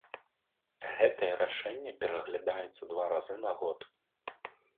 Гэтае рашэнне пераглядаецца два разы на год.